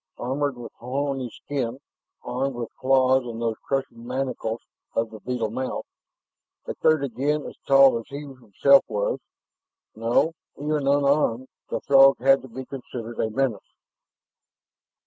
Armored with horny skin, armed with claws and those crushing mandibles of the beetle mouth ... a third again as tall as he himself was. No, even unarmed, the Throg had to be considered a menace.